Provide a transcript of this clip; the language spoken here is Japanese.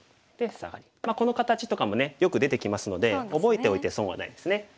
この形とかもねよく出てきますので覚えておいて損はないですね。